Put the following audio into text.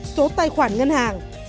số tài khoản ngân hàng